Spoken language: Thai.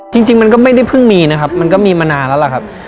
จริงมันก็ไม่ได้เพิ่งมีนะครับมันก็มีมานานแล้วล่ะครับ